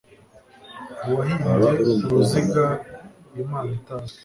Uwahimbye uruziga imana itazwi